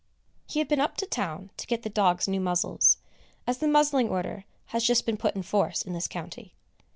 He had been up to town to get the dogs new muzzles, as the muzzling order has just been put in force in this county.